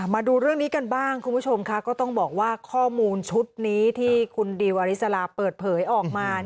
มาดูเรื่องนี้กันบ้างคุณผู้ชมค่ะก็ต้องบอกว่าข้อมูลชุดนี้ที่คุณดิวอริสลาเปิดเผยออกมา